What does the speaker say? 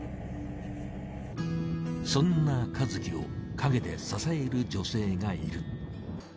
そんな和喜を陰で支える女性がいる。